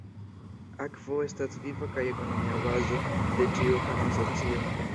Akvo estas viva kaj ekonomia bazo de ĉiu homa socio.